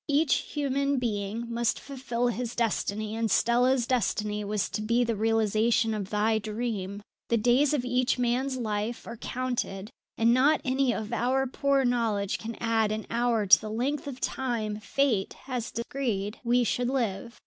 Each human being must fulfil his destiny, and Stella's destiny was to be the realization of thy dream. "The days of each man's life are counted, and not any of our poor knowledge can add an hour to the length of time Fate has decreed we should live.